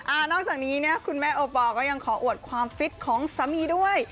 นอกจากนี้เนี่ยคุณแม่โอปอลก็ยังขออวดความฟิตของสามีด้วย